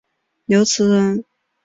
刘词人。